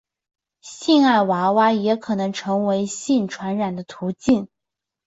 性爱娃娃也可能成为性病传染的途径。